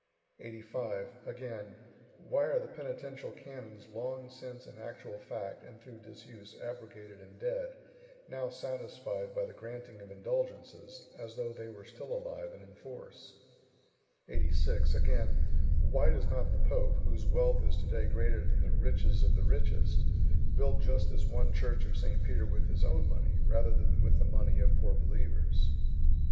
85. Again: "Why are the penitential canons long since in actual fact and through disuse abrogated and dead, now satisfied by the granting of indulgences, as though they were still alive and in force?" 86. Again: "Why does not the pope, whose wealth is to day greater than the riches of the richest, build just this one church of St. Peter with his own money, rather than with the money of poor believers?"